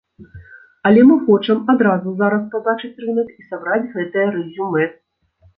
Але мы хочам адразу зараз пабачыць рынак і сабраць гэтыя рэзюмэ.